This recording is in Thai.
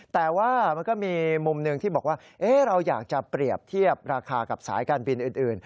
แต่ว่ามันก็มีมุมหนึ่งที่บอกว่าเราอยากจะเปรียบเทียบราคากับสายการบินอื่น